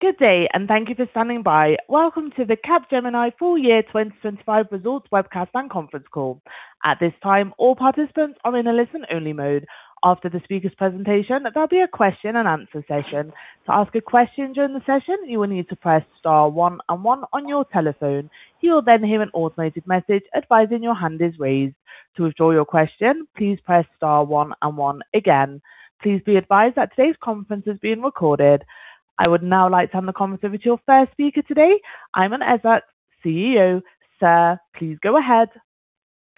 Good day, and thank you for standing by. Welcome to the Capgemini full year 2025 results webcast and conference call. At this time, all participants are in a listen-only mode. After the speaker's presentation, there'll be a question and answer session. To ask a question during the session, you will need to press star one and one on your telephone. You will then hear an automated message advising your hand is raised. To withdraw your question, please press star one and one again. Please be advised that today's conference is being recorded. I would now like to turn the conference over to your first speaker today, Aiman Ezzat, CEO. Sir, please go ahead.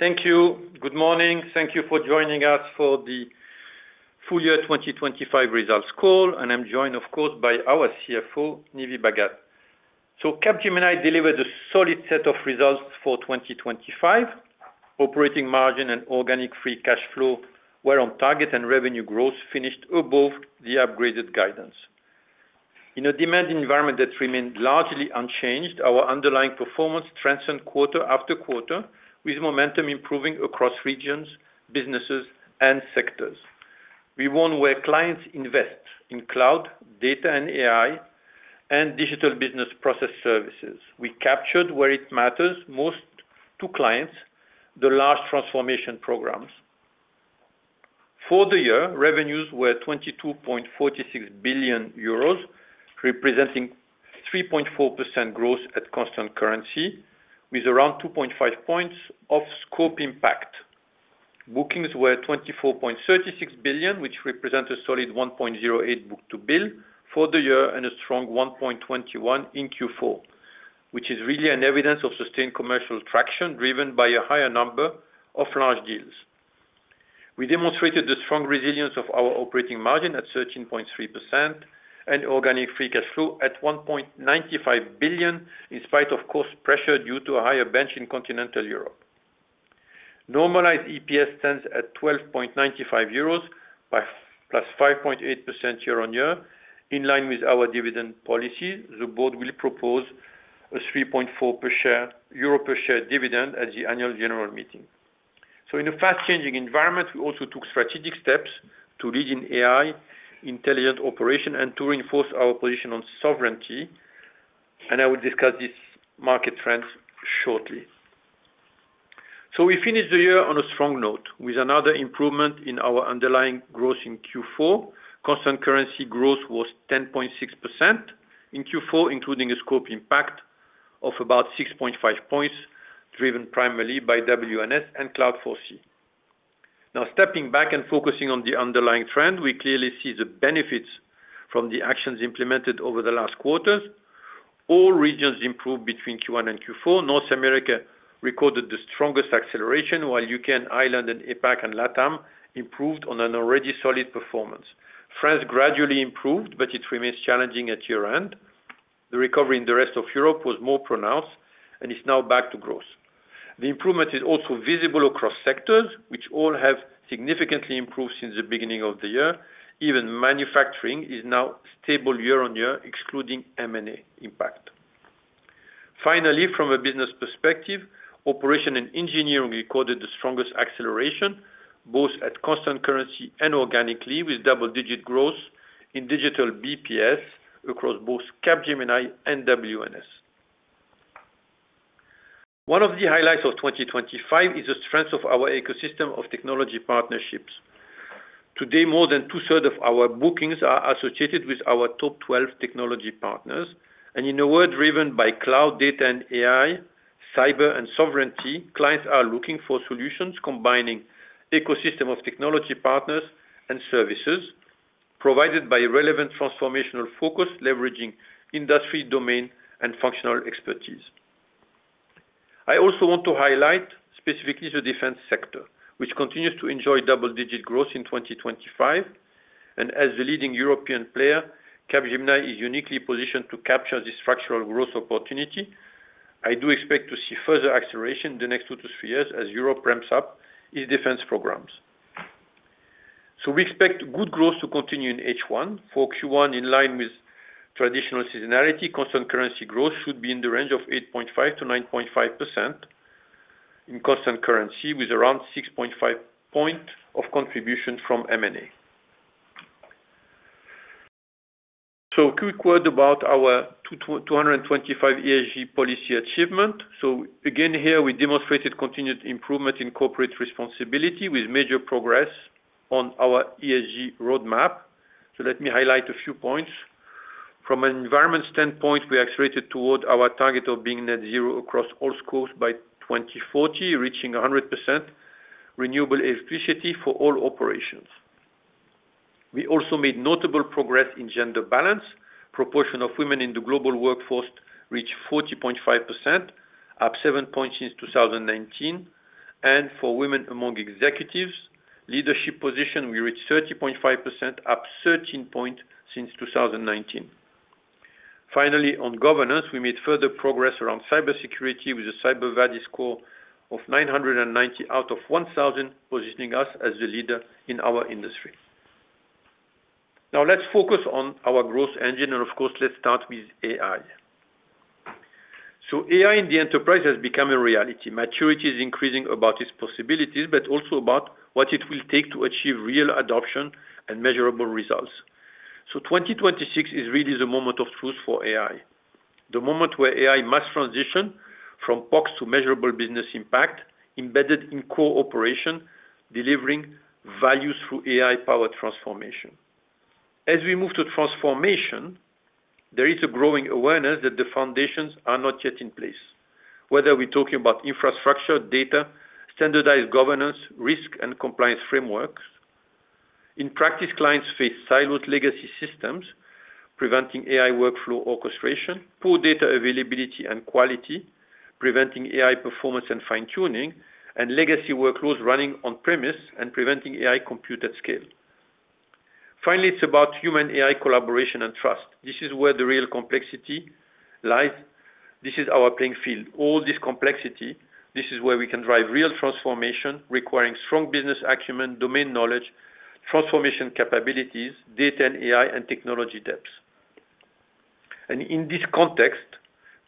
Thank you. Good morning. Thank you for joining us for the full year 2025 results call, and I'm joined, of course, by our CFO, Nive Bhagat. So Capgemini delivered a solid set of results for 2025. Operating margin and organic free cash flow were on target, and revenue growth finished above the upgraded guidance. In a demand environment that remained largely unchanged, our underlying performance strengthened quarter after quarter, with momentum improving across regions, businesses, and sectors. We won where clients invest in cloud, data and AI, and digital business process services. We captured where it matters most to clients, the large transformation programs. For the year, revenues were 22.46 billion euros, representing 3.4% growth at constant currency, with around 2.5 points of scope impact. Bookings were 24.36 billion, which represents a solid 1.08 book-to-bill for the year and a strong 1.21 in Q4, which is really an evidence of sustained commercial traction driven by a higher number of large deals. We demonstrated the strong resilience of our operating margin at 13.3% and organic free cash flow at 1.95 billion, in spite of cost pressure due to a higher bench in Continental Europe. Normalized EPS stands at 12.95 euros, +5.8% year-on-year. In line with our dividend policy, the board will propose a 3.4 per share, euro per share dividend at the annual general meeting. So in a fast-changing environment, we also took strategic steps to lead in AI, Intelligent Operation, and to reinforce our position on sovereignty, and I will discuss these market trends shortly. So we finished the year on a strong note with another improvement in our underlying growth in Q4. Constant currency growth was 10.6% in Q4, including a scope impact of about 6.5 points, driven primarily by WNS and Cloud4C. Now, stepping back and focusing on the underlying trend, we clearly see the benefits from the actions implemented over the last quarters. All regions improved between Q1 and Q4. North America recorded the strongest acceleration, while UK and Ireland and APAC and LATAM improved on an already solid performance. France gradually improved, but it remains challenging at year-end. The recovery in the Rest of Europe was more pronounced and is now back to growth. The improvement is also visible across sectors, which all have significantly improved since the beginning of the year. Even Manufacturing is now stable year-on-year, excluding M&A impact. Finally, from a business perspective, Operations & Engineering recorded the strongest acceleration, both at constant currency and organically, with double-digit growth in digital BPS across both Capgemini and WNS. One of the highlights of 2025 is the strength of our ecosystem of technology partnerships. Today, more than two-thirds of our bookings are associated with our top 12 technology partners, and in a world driven by cloud data and AI, cyber and sovereignty, clients are looking for solutions combining ecosystem of technology partners and services provided by relevant transformational focus, leveraging industry, domain, and functional expertise. I also want to highlight specifically the defense sector, which continues to enjoy double-digit growth in 2025, and as the leading European player, Capgemini is uniquely positioned to capture this structural growth opportunity. I do expect to see further acceleration in the next two to three years as Europe ramps up its defense programs. We expect good growth to continue in H1. For Q1, in line with traditional seasonality, constant currency growth should be in the range of 8.5%-9.5% in constant currency, with around 6.5 points of contribution from M&A. A quick word about our 2025 ESG policy achievement. Again, here we demonstrated continued improvement in corporate responsibility with major progress on our ESG roadmap. Let me highlight a few points. From an environment standpoint, we accelerated toward our target of being Net Zero across all scopes by 2040, reaching 100% renewable electricity for all operations. We also made notable progress in gender balance. Proportion of women in the global workforce reached 40.5%, up 7 points since 2019, and for women among executives, leadership position, we reached 30.5%, up 13 points since 2019. Finally, on governance, we made further progress around cybersecurity with a CyberVadis score of 990 out of 1,000, positioning us as the leader in our industry. Now, let's focus on our growth engine, and of course, let's start with AI. So AI in the enterprise has become a reality. Maturity is increasing about its possibilities, but also about what it will take to achieve real adoption and measurable results. 2026 is really the moment of truth for AI. The moment where AI must transition from POC to measurable business impact, embedded in core operation, delivering value through AI-powered transformation. As we move to transformation, there is a growing awareness that the foundations are not yet in place, whether we're talking about infrastructure, data, standardized governance, risk, and compliance frameworks. In practice, clients face siloed legacy systems, preventing AI workflow orchestration, poor data availability and quality, preventing AI performance and fine-tuning, and legacy workflows running on-premise and preventing AI compute at scale. Finally, it's about human AI collaboration and trust. This is where the real complexity lies. This is our playing field, all this complexity. This is where we can drive real transformation, requiring strong business acumen, domain knowledge, transformation capabilities, data and AI, and technology depths. In this context,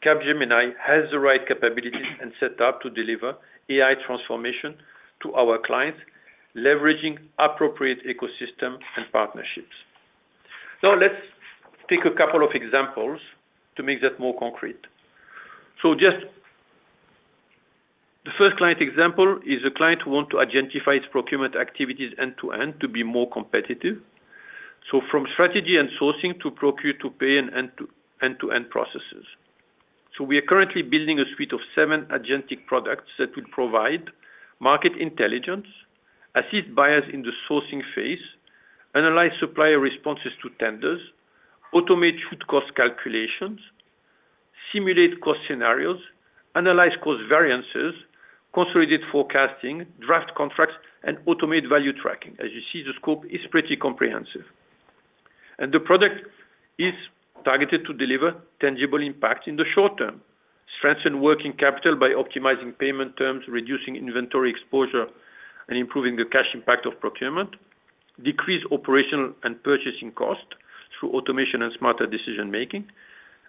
Capgemini has the right capabilities and setup to deliver AI transformation to our clients, leveraging appropriate ecosystem and partnerships. Now, let's take a couple of examples to make that more concrete. So just the first client example is a client who want to identify its procurement activities end-to-end to be more competitive. So from strategy and sourcing to procure to pay and end to end-to-end processes. So we are currently building a suite of seven agentic products that will provide market intelligence, assist buyers in the sourcing phase, analyze supplier responses to tenders, automate food cost calculations, simulate cost scenarios, analyze cost variances, consolidate forecasting, draft contracts, and automate value tracking. As you see, the scope is pretty comprehensive. The product is targeted to deliver tangible impact in the short term, strengthen working capital by optimizing payment terms, reducing inventory exposure, and improving the cash impact of procurement, decrease operational and purchasing costs through automation and smarter decision-making,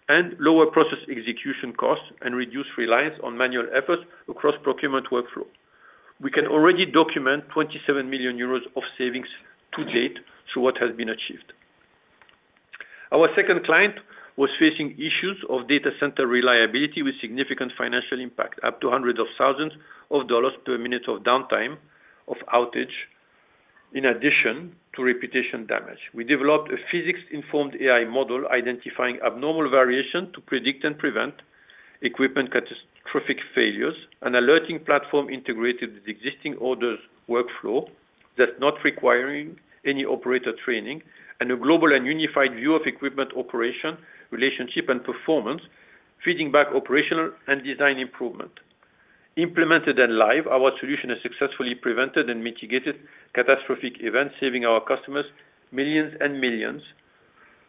and lower process execution costs and reduce reliance on manual efforts across procurement workflow. We can already document 27 million euros of savings to date through what has been achieved. Our second client was facing issues of data center reliability with significant financial impact, up to hundreds of thousands per minute of downtime, of outage, in addition to reputation damage. We developed a physics-informed AI model, identifying abnormal variation to predict and prevent equipment catastrophic failures, an alerting platform integrated with the existing orders workflow that's not requiring any operator training, and a global and unified view of equipment operation, relationship, and performance, feeding back operational and design improvement. Implemented and live, our solution has successfully prevented and mitigated catastrophic events, saving our customers millions and millions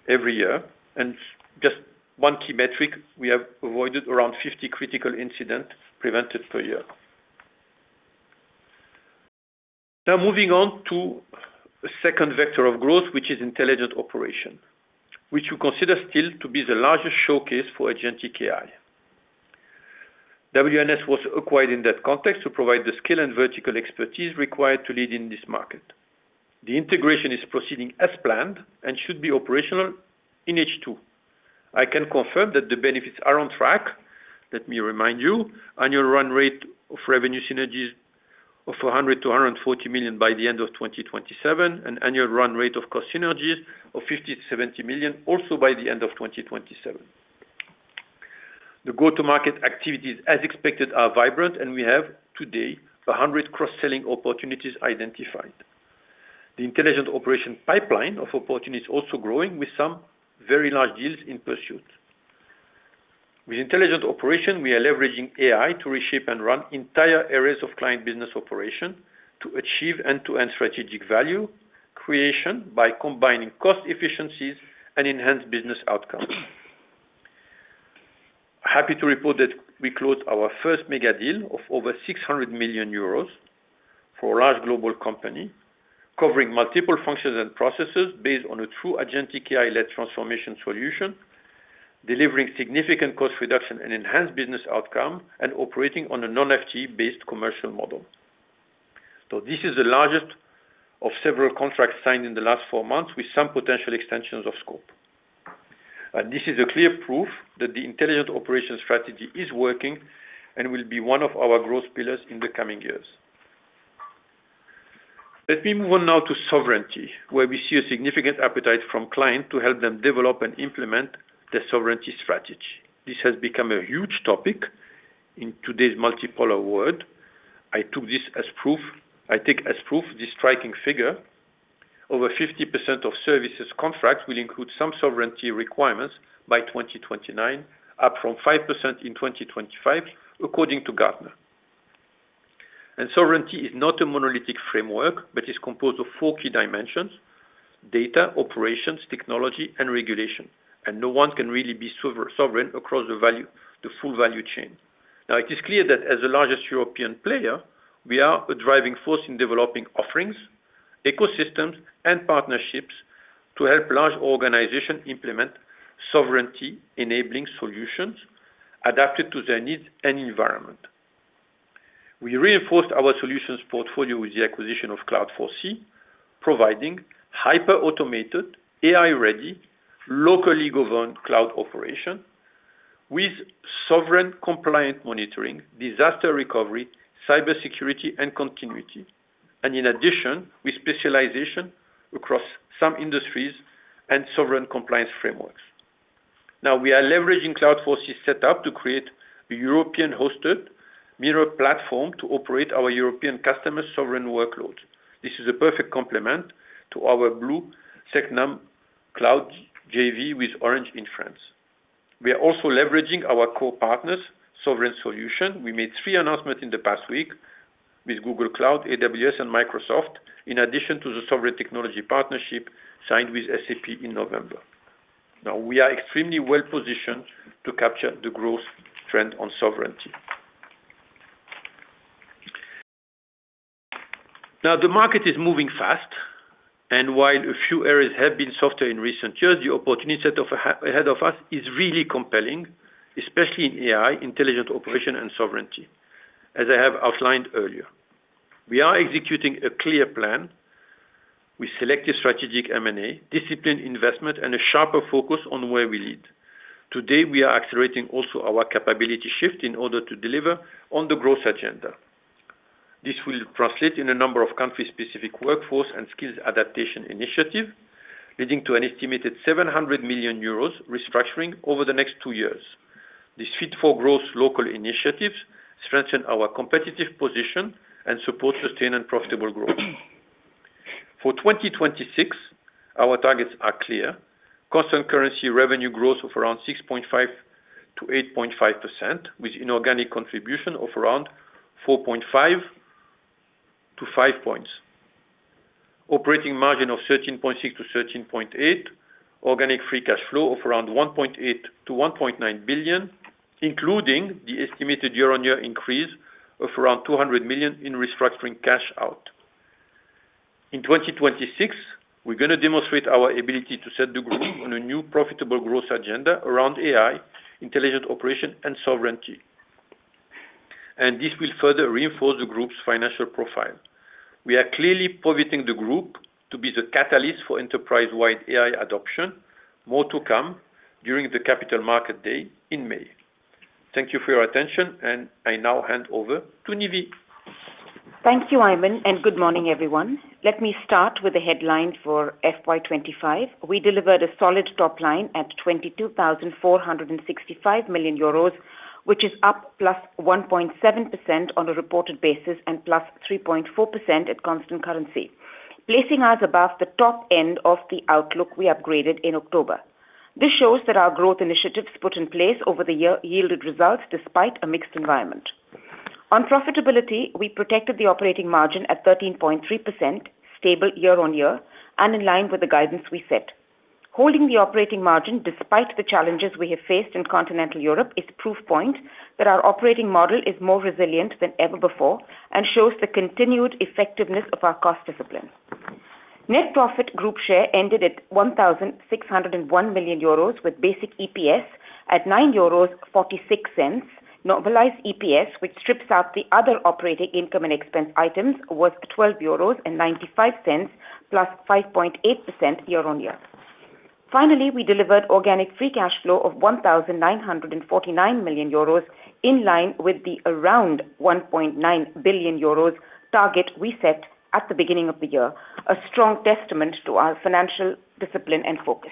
every year. Just one key metric, we have avoided around 50 critical incidents prevented per year. Now, moving on to the second vector of growth, which is Intelligent Operations, which we consider still to be the largest showcase for agentic AI. WNS was acquired in that context to provide the skill and vertical expertise required to lead in this market. The integration is proceeding as planned and should be operational in H2. I can confirm that the benefits are on track. Let me remind you, annual run rate of revenue synergies of 100 million-140 million by the end of 2027, and annual run rate of cost synergies of 50 million-70 million, also by the end of 2027. The go-to-market activities, as expected, are vibrant, and we have today 100 cross-selling opportunities identified. The Intelligent Operations pipeline of opportunities also growing, with some very large deals in pursuit. With Intelligent Operations, we are leveraging AI to reshape and run entire areas of client business operation to achieve end-to-end strategic value creation by combining cost efficiencies and enhanced business outcomes. Happy to report that we closed our first mega deal of over 600 million euros for a large global company, covering multiple functions and processes based on a true agentic AI-led transformation solution, delivering significant cost reduction and enhanced business outcome, and operating on a non-FTE based commercial model. So this is the largest of several contracts signed in the last four months with some potential extensions of scope. This is a clear proof that the Intelligent Operation strategy is working and will be one of our growth pillars in the coming years. Let me move on now to sovereignty, where we see a significant appetite from client to help them develop and implement their sovereignty strategy. This has become a huge topic in today's multipolar world. I take as proof this striking figure. Over 50% of services contracts will include some sovereignty requirements by 2029, up from 5% in 2025, according to Gartner. Sovereignty is not a monolithic framework, but is composed of four key dimensions: data, operations, technology, and regulation, and no one can really be sovereign across the full value chain. Now, it is clear that as the largest European player, we are a driving force in developing offerings, ecosystems, and partnerships to help large organizations implement sovereignty-enabling solutions adapted to their needs and environment. We reinforced our solutions portfolio with the acquisition of Cloud4C, providing hyper-automated, AI-ready, locally governed cloud operation with sovereign compliant monitoring, disaster recovery, cybersecurity, and continuity, and in addition, with specialization across some industries and sovereign compliance frameworks. Now, we are leveraging Cloud4C setup to create a European-hosted mirror platform to operate our European customers' sovereign workloads. This is a perfect complement to our Bleu SecNumCloud JV with Orange in France. We are also leveraging our core partners' sovereign solution. We made three announcements in the past week with Google Cloud, AWS, and Microsoft, in addition to the sovereign technology partnership signed with SAP in November. Now, we are extremely well-positioned to capture the growth trend on sovereignty. Now, the market is moving fast, and while a few areas have been softer in recent years, the opportunity set ahead of us is really compelling, especially in AI, Intelligent Operations, and sovereignty, as I have outlined earlier. We are executing a clear plan with selective strategic M&A, disciplined investment, and a sharper focus on where we lead. Today, we are accelerating also our capability shift in order to deliver on the growth agenda. This will translate in a number of country-specific workforce and skills adaptation initiatives, leading to an estimated 700 million euros restructuring over the next two years. This Fit for Growth local initiatives strengthen our competitive position and support sustained and profitable growth. For 2026, our targets are clear: constant currency revenue growth of around 6.5%-8.5%, with inorganic contribution of around 4.5%-5% points, operating margin of 13.6%-13.8%, organic free cash flow of around 1.8 billion-1.9 billion, including the estimated year-on-year increase of around 200 million in restructuring cash out. In 2026, we're going to demonstrate our ability to set the group on a new profitable growth agenda around AI, Intelligent Operation, and sovereignty, and this will further reinforce the group's financial profile. We are clearly pivoting the group to be the catalyst for enterprise-wide AI adoption. More to come during the Capital Market Day in May. Thank you for your attention, and I now hand over to Nive. Thank you, Aiman, and good morning, everyone. Let me start with the headline for FY 2025. We delivered a solid top line at 22,465 million euros, which is up +1.7% on a reported basis and +3.4% at constant currency, placing us above the top end of the outlook we upgraded in October. This shows that our growth initiatives put in place over the year yielded results despite a mixed environment. On profitability, we protected the operating margin at 13.3%, stable year-on-year and in line with the guidance we set. Holding the operating margin despite the challenges we have faced in Continental Europe, is proof point that our operating model is more resilient than ever before and shows the continued effectiveness of our cost discipline. Net profit group share ended at 1,601 million euros, with basic EPS at 9.46 euros. Normalized EPS, which strips out the other operating income and expense items, was 12.95 euros, +5.8% year-on-year. Finally, we delivered organic free cash flow of 1,949 million euros, in line with the around 1.9 billion euros target we set at the beginning of the year, a strong testament to our financial discipline and focus.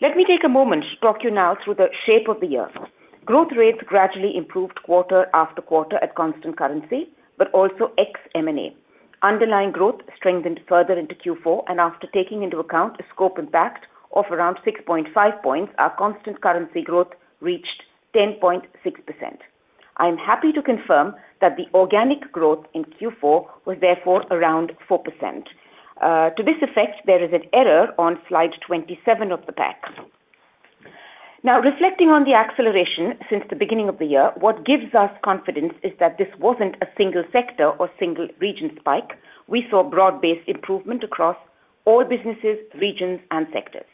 Let me take a moment to talk you now through the shape of the year. Growth rates gradually improved quarter after quarter at constant currency, but also ex M&A. Underlying growth strengthened further into Q4, and after taking into account the scope impact of around 6.5% points, our constant currency growth reached 10.6%. I am happy to confirm that the organic growth in Q4 was therefore around 4%. To this effect, there is an error on slide 27 of the deck. Now, reflecting on the acceleration since the beginning of the year, what gives us confidence is that this wasn't a single sector or single region spike. We saw broad-based improvement across all businesses, regions, and sectors.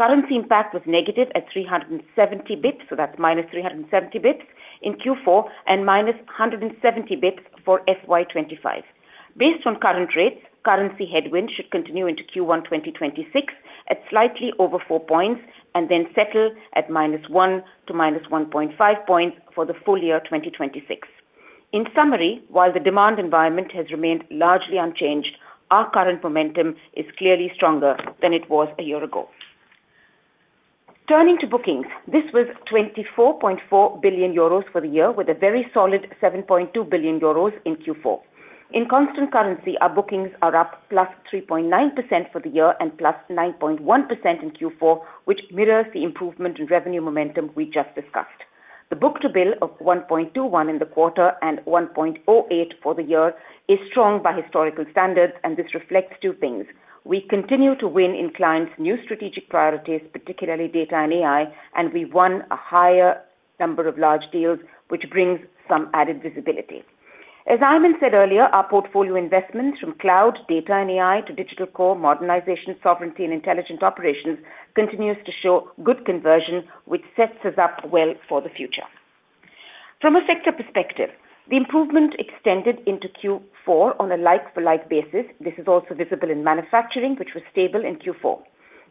Currency impact was negative at 370 basis points, so that's minus 370 basis points in Q4 and minus 170 basis points for FY 2025. Based on current rates, currency headwind should continue into Q1 2026 at slightly over 4 percentage points and then settle a -1 to -1.5 percentage points for the full year 2026. In summary, while the demand environment has remained largely unchanged, our current momentum is clearly stronger than it was a year ago. Turning to bookings, this was 24.4 billion euros for the year, with a very solid 7.2 billion euros in Q4. In constant currency, our bookings are up +3.9% for the year and +9.1% in Q4, which mirrors the improvement in revenue momentum we just discussed. The book-to-bill of 1.21 in the quarter and 1.08 for the year is strong by historical standards, and this reflects two things: We continue to win in clients' new strategic priorities, particularly data and AI, and we won a higher number of large deals, which brings some added visibility.... As Aiman said earlier, our portfolio investments from cloud, data, and AI to digital core, modernization, sovereignty, and Intelligent Operations continues to show good conversion, which sets us up well for the future. From a sector perspective, the improvement extended into Q4 on a like-for-like basis. This is also visible in Manufacturing, which was stable in Q4.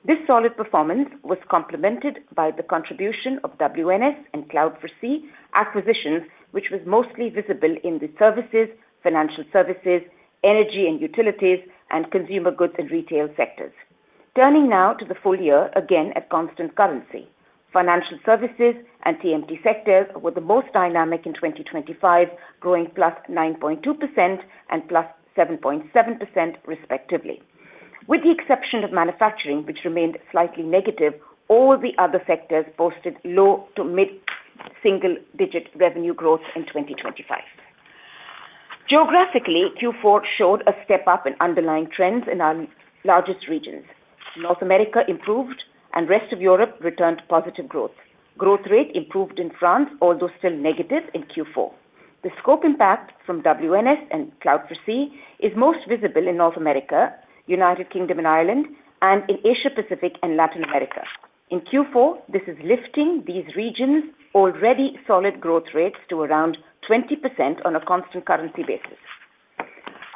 This solid performance was complemented by the contribution of WNS and Cloud4C acquisition, which was mostly visible in the Services, Financial Services, Energy & Utilities, and Consumer Goods & Retail sectors. Turning now to the full year, again, at constant currency. Financial Services and TMT sectors were the most dynamic in 2025, growing +9.2% and +7.7%, respectively. With the exception of Manufacturing, which remained slightly negative, all the other sectors posted low- to mid-single-digit revenue growth in 2025. Geographically, Q4 showed a step-up in underlying trends in our largest regions. North America improved and Rest of Europe returned positive growth. Growth rate improved in France, although still negative in Q4. The scope impact from WNS and Cloud4C is most visible in North America, United Kingdom and Ireland, and in Asia Pacific and Latin America. In Q4, this is lifting these regions' already solid growth rates to around 20% on a constant currency basis.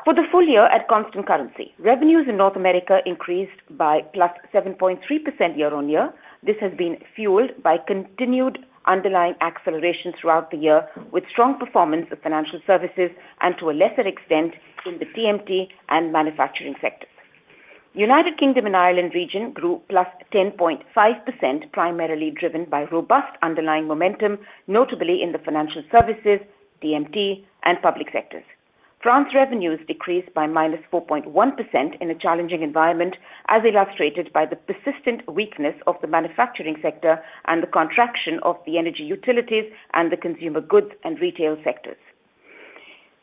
For the full year at constant currency, revenues in North America increased by +7.3% year-on-year. This has been fueled by continued underlying acceleration throughout the year, with strong performance of Financial Services and to a lesser extent, in the TMT and Manufacturing sectors. United Kingdom and Ireland region grew +10.5%, primarily driven by robust underlying momentum, notably in the Financial Services, TMT, and Public Sectors. France revenues decreased by -4.1% in a challenging environment, as illustrated by the persistent weakness of the Manufacturing sector and the contraction of the energy utilities and the Consumer Goods & Retail sectors.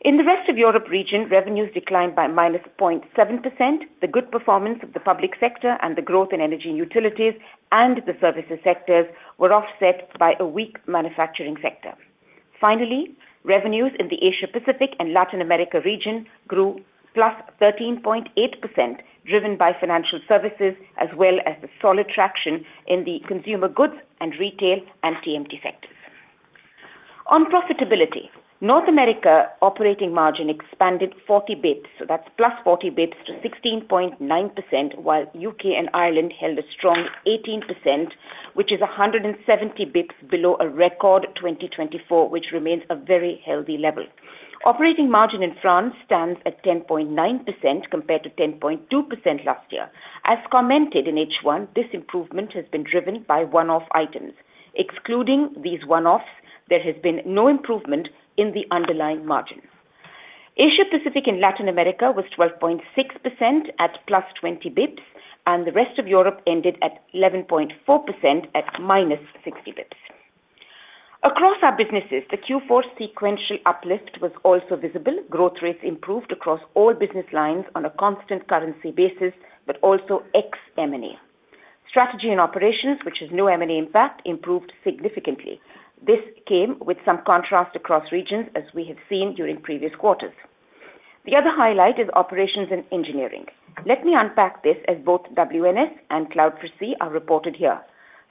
In the Rest of Europe region, revenues declined by -0.7%. The good performance of the Public Sector and the growth in Energy & Utilities and the Services sectors were offset by a weak Manufacturing sector. Finally, revenues in the Asia Pacific and Latin America region grew +13.8%, driven by Financial Services, as well as the solid traction in the Consumer Goods & Retail and TMT sectors. On profitability, North America operating margin expanded 40 basis points, so that's +40 basis points to 16.9%, while U.K. and Ireland held a strong 18%, which is 170 basis points below a record 2024, which remains a very healthy level. Operating margin in France stands at 10.9%, compared to 10.2% last year. As commented in H1, this improvement has been driven by one-off items. Excluding these one-offs, there has been no improvement in the underlying margin. Asia Pacific and Latin America was 12.6% at +20 basis points, and the Rest of Europe ended at 11.4% at -60 basis points. Across our businesses, the Q4 sequential uplift was also visible. Growth rates improved across all business lines on a constant currency basis, but also ex-M&A. Strategy and Operations, which has no M&A impact, improved significantly. This came with some contrast across regions, as we have seen during previous quarters. The other highlight is operations and engineering. Let me unpack this as both WNS and Cloud4C are reported here.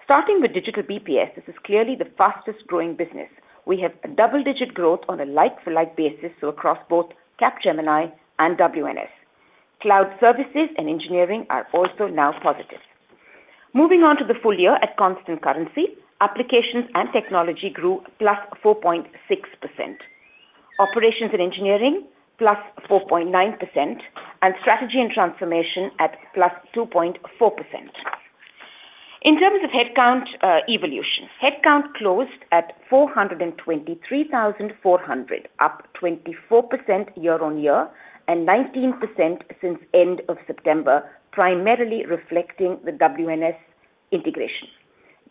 Starting with digital BPS, this is clearly the fastest-growing business. We have a double-digit growth on a like-for-like basis, so across both Capgemini and WNS. Cloud services and engineering are also now positive. Moving on to the full year at constant currency, Applications & Technology grew +4.6%, operations and engineering +4.9%, and Strategy & Transformation at +2.4%. In terms of headcount evolution, headcount closed at 423,400, up 24% year-over-year and 19% since end of September, primarily reflecting the WNS integration.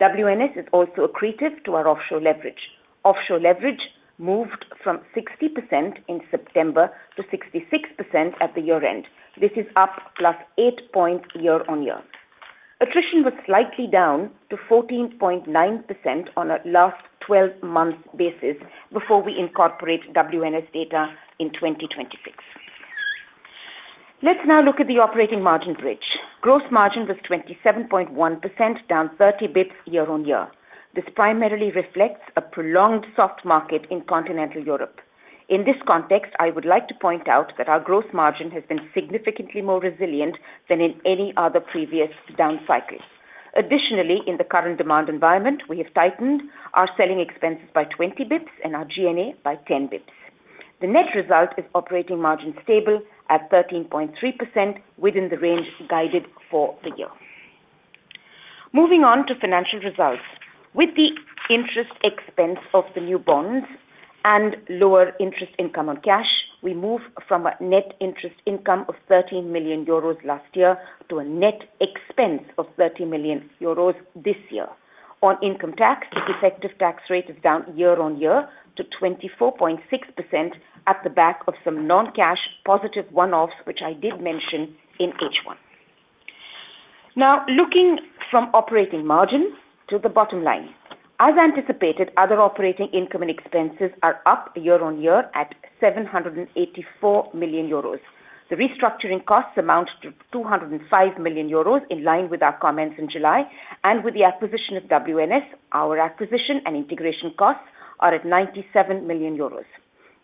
WNS is also accretive to our offshore leverage. Offshore leverage moved from 60% in September to 66% at the year-end. This is up +8 points year-over-year. Attrition was slightly down to 14.9% on a last 12-month basis before we incorporate WNS data in 2026. Let's now look at the operating margin bridge. Gross margin was 27.1%, down 30 bps year-over-year. This primarily reflects a prolonged soft market in Continental Europe. In this context, I would like to point out that our gross margin has been significantly more resilient than in any other previous down cycles. Additionally, in the current demand environment, we have tightened our selling expenses by 20 basis points and our G&A by 10 basis points. The net result is operating margin stable at 13.3% within the range guided for the year. Moving on to financial results. With the interest expense of the new bonds and lower interest income on cash, we move from a net interest income of 13 million euros last year to a net expense of 13 million euros this year. On income tax, the effective tax rate is down year-over-year to 24.6% on the back of some non-cash positive one-offs, which I did mention in H1. Now, looking from operating margins to the bottom line. As anticipated, other operating income and expenses are up year-on-year at 784 million euros. The restructuring costs amount to 205 million euros, in line with our comments in July, and with the acquisition of WNS, our acquisition and integration costs are at 97 million euros.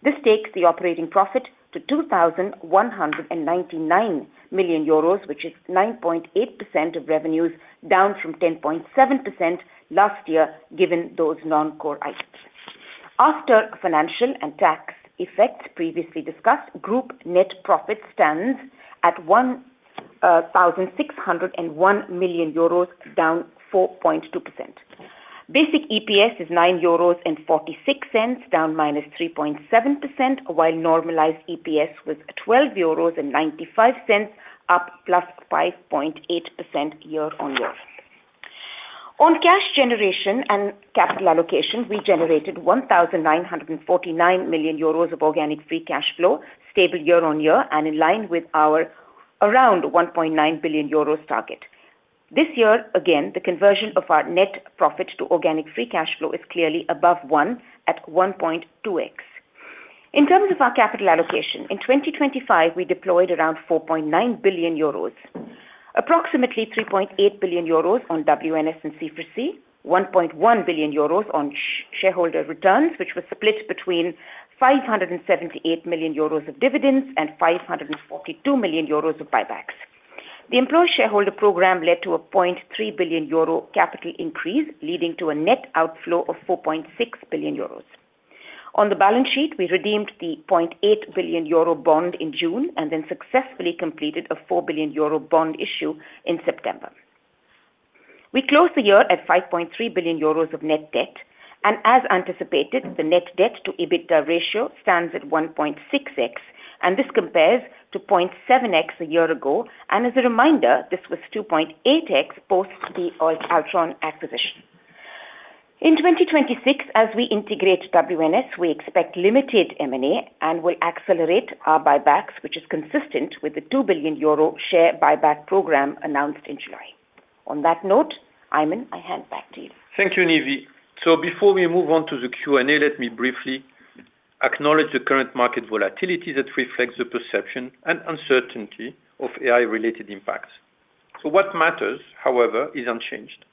This takes the operating profit to 2,199 million euros, which is 9.8% of revenues, down from 10.7% last year, given those non-core items. After financial and tax effects previously discussed, group net profit stands at 1,601 million euros, down 4.2%. Basic EPS is 9.46 euros, down -3.7%, while normalized EPS was 12.95 euros, up +5.8% year-on-year. On cash generation and capital allocation, we generated 1,949 million euros of organic free cash flow, stable year-over-year, and in line with our around 1.9 billion euros target. This year, again, the conversion of our net profit to organic free cash flow is clearly above one at 1.2x. In terms of our capital allocation, in 2025, we deployed around 4.9 billion euros. Approximately 3.8 billion euros on WNS and Cloud4C, 1.1 billion euros on shareholder returns, which was split between 578 million euros of dividends and 542 million euros of buybacks. The employee shareholder program led to a 0.3 billion euro capital increase, leading to a net outflow of 4.6 billion euros. On the balance sheet, we redeemed the 0.8 billion euro bond in June, and then successfully completed a 4 billion euro bond issue in September. We closed the year at 5.3 billion euros of net debt, and as anticipated, the net debt-to-EBITDA ratio stands at 1.6x, and this compares to 0.7x a year ago. And as a reminder, this was 2.8x, post the Altran acquisition. In 2026, as we integrate WNS, we expect limited M&A, and we'll accelerate our buybacks, which is consistent with the 2 billion euro share buyback program announced in July. On that note, Aiman, I hand back to you. Thank you, Nive. So before we move on to the Q&A, let me briefly acknowledge the current market volatility that reflects the perception and uncertainty of AI-related impacts. So what matters, however, is unchanged.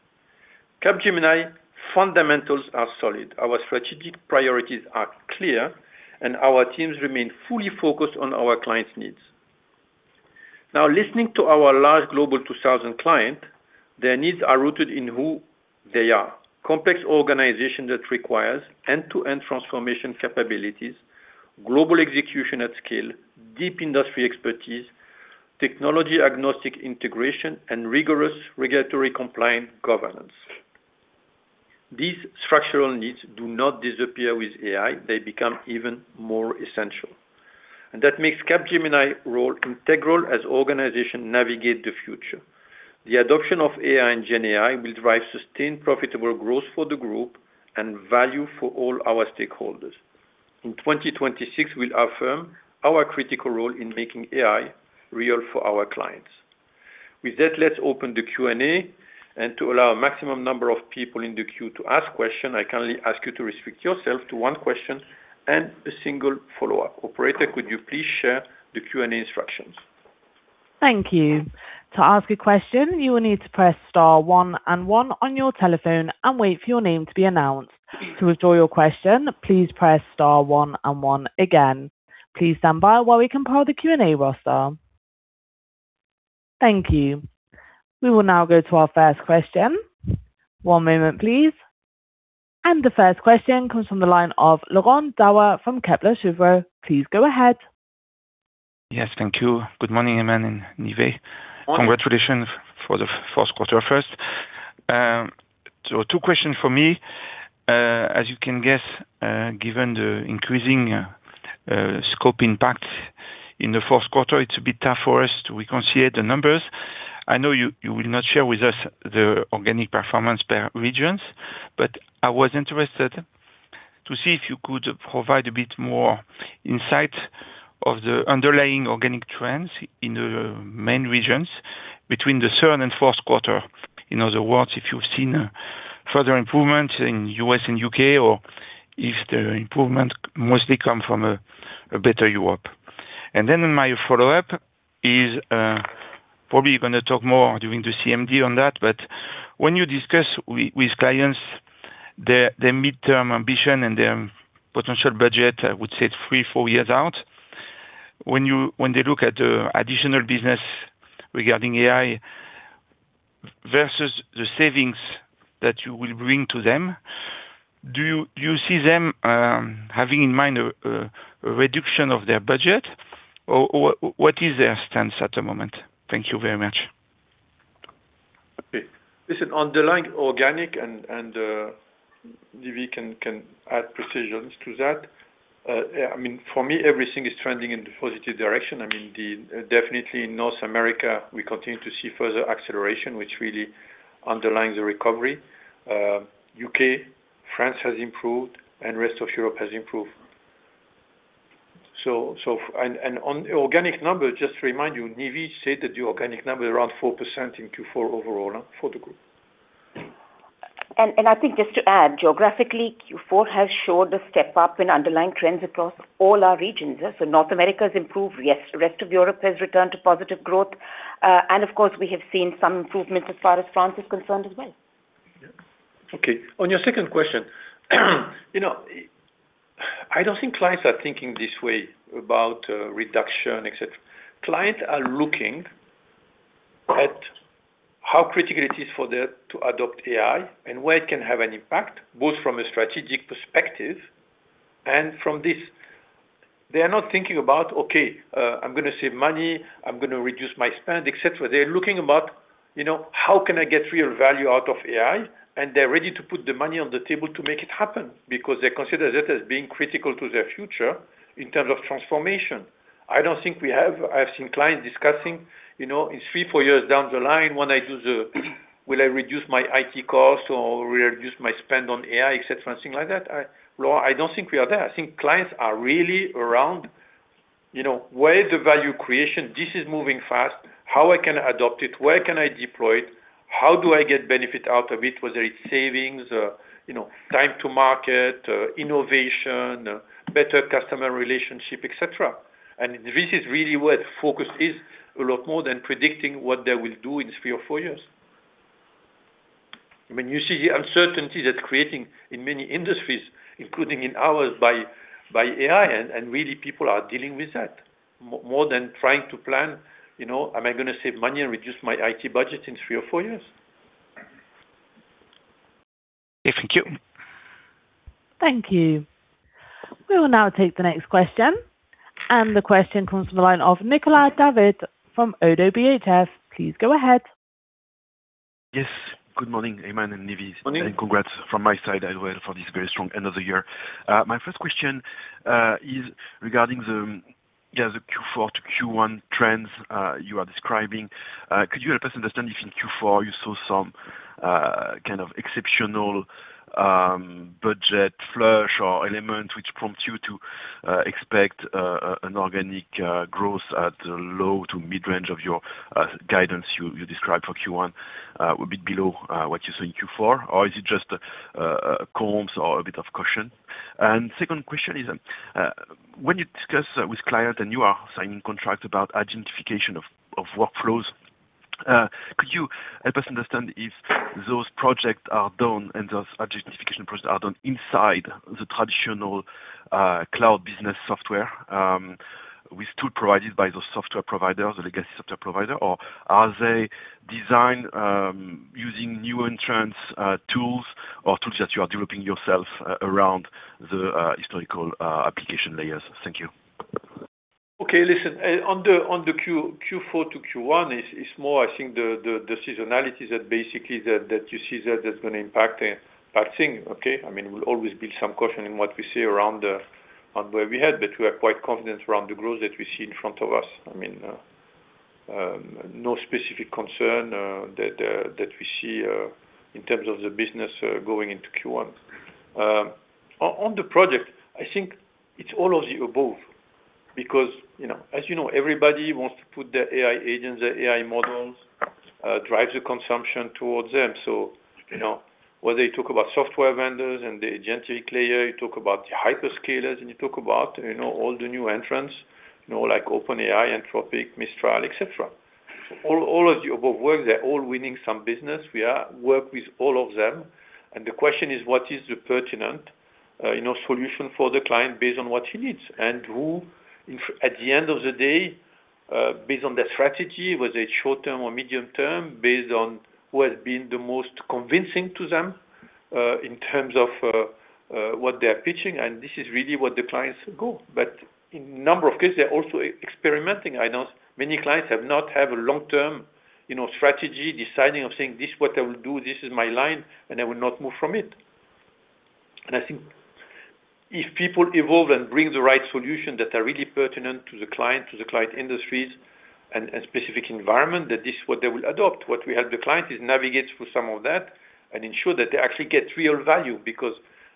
Capgemini fundamentals are solid. Our strategic priorities are clear, and our teams remain fully focused on our clients' needs. Now, listening to our large global 2,000 clients, their needs are rooted in who they are: complex organizations that require end-to-end transformation capabilities, global execution at scale, deep industry expertise, technology agnostic integration, and rigorous regulatory compliant governance. These structural needs do not disappear with AI, they become even more essential. And that makes Capgemini's role integral as organizations navigate the future. The adoption of AI and GenAI will drive sustained, profitable growth for the group and value for all our stakeholders. In 2026, we'll affirm our critical role in making AI real for our clients. With that, let's open the Q&A, and to allow a maximum number of people in the queue to ask question, I kindly ask you to restrict yourself to one question and a single follow-up. Operator, could you please share the Q&A instructions? Thank you. To ask a question, you will need to press star one and one on your telephone and wait for your name to be announced. To withdraw your question, please press star one and one again. Please stand by while we compile the Q&A roster. Thank you. We will now go to our first question. One moment, please. The first question comes from the line of Laurent Daure from Kepler Cheuvreux. Please go ahead. Yes, thank you. Good morning, Aiman and Nive. Congratulations for the first quarter first. So two questions for me. As you can guess, given the increasing scope impact in the fourth quarter, it's a bit tough for us to reconcile the numbers. I know you will not share with us the organic performance per regions, but I was interested to see if you could provide a bit more insight of the underlying organic trends in the main regions between the third and fourth quarter. In other words, if you've seen further improvement in U.S. and U.K., or if the improvement mostly come from a better Europe. And then my follow-up is, probably gonna talk more during the CMD on that, but when you discuss with clients, their midterm ambition and their potential budget, I would say it's three to four years out. When they look at the additional business regarding AI versus the savings that you will bring to them, do you see them having in mind a reduction of their budget, or what is their stance at the moment? Thank you very much. Okay. Listen, underlying organic and Nive can add precisions to that. Yeah, I mean, for me, everything is trending in the positive direction. I mean, definitely in North America, we continue to see further acceleration, which really underlines the recovery. U.K., France has improved and Rest of Europe has improved. So on the organic number, just to remind you, Nive said that the organic number is around 4% in Q4 overall for the group. I think just to add, geographically, Q4 has showed a step up in underlying trends across all our regions. So North America has improved, yes. The Rest of Europe has returned to positive growth. And of course, we have seen some improvements as far as France is concerned as well. Yeah. Okay. On your second question, you know, I don't think clients are thinking this way about reduction, et cetera. Clients are looking at how critical it is for them to adopt AI and where it can have an impact, both from a strategic perspective and from this. They are not thinking about, "Okay, I'm gonna save money, I'm gonna reduce my spend," et cetera. They're looking about, you know, "How can I get real value out of AI?" And they're ready to put the money on the table to make it happen, because they consider that as being critical to their future in terms of transformation. I don't think we have. I've seen clients discussing, you know, in three, four years down the line, when I do will I reduce my IT costs or will I reduce my spend on AI, et cetera, things like that. Well, I don't think we are there. I think clients are really around, you know, where is the value creation? This is moving fast. How I can adopt it? Where can I deploy it? How do I get benefit out of it, whether it's savings, you know, time to market, innovation, better customer relationship, et cetera. This is really where the focus is, a lot more than predicting what they will do in three or four years. I mean, you see the uncertainty that's creating in many industries, including in ours, by AI, and really people are dealing with that, more than trying to plan, you know, am I gonna save money and reduce my IT budget in three or four years? Okay, thank you. Thank you. We will now take the next question, and the question comes from the line of Nicolas David from ODDO BHF. Please go ahead. Yes. Good morning, Aiman and Nive. Morning. Congrats from my side as well for this very strong end of the year. My first question is regarding the Q4 to Q1 trends you are describing. Could you help us understand if in Q4 you saw some kind of exceptional budget flush or element, which prompt you to expect an organic growth at the low to mid-range of your guidance you described for Q1, a bit below what you saw in Q4? Or is it just comps or a bit of caution? Second question is, when you discuss with clients, and you are signing contracts about agentification of workflows, could you help us understand if those projects are done and those agentification projects are done inside the traditional cloud business software with tool provided by the software provider, the legacy software provider? Or are they designed using new entrants tools or tools that you are developing yourself around the historical application layers? Thank you. Okay, listen, on the Q4 to Q1 is more, I think the seasonality that basically you see that is gonna impact a bad thing, okay? I mean, we'll always build some caution in what we say around where we head, but we are quite confident around the growth that we see in front of us. I mean, no specific concern that we see in terms of the business going into Q1. On the project, I think it's all of the above, because, you know, as you know, everybody wants to put their AI agents, their AI models, drive the consumption towards them. So, you know, whether you talk about software vendors and the agentic layer, you talk about the hyperscalers, and you talk about, you know, all the new entrants, you know, like OpenAI, Anthropic, Mistral, et cetera. All of the above work, they're all winning some business. We work with all of them, and the question is: What is the pertinent, you know, solution for the client based on what he needs? And who, if at the end of the day, based on their strategy, whether it's short-term or medium-term, based on who has been the most convincing to them, in terms of, what they are pitching, and this is really what the clients go. But in a number of cases, they're also experimenting. I know many clients have not had a long-term, you know, strategy, deciding of saying, "This is what I will do, this is my line, and I will not move from it." And I think if people evolve and bring the right solution that are really pertinent to the client, to the client industries and specific environment, that this is what they will adopt. What we help the client is navigate through some of that and ensure that they actually get real value, because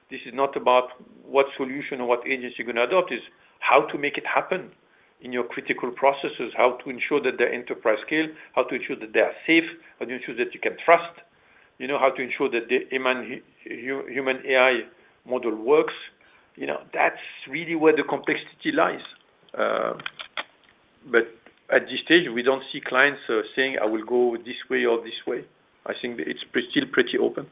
this is not about what solution or what agency you're going to adopt, it's how to make it happen in your critical processes, how to ensure that they enterprise scale, how to ensure that they are safe, how to ensure that you can trust, you know, how to ensure that the human AI model works. You know, that's really where the complexity lies. But at this stage, we don't see clients saying, "I will go this way or this way." I think it's pretty, still pretty open.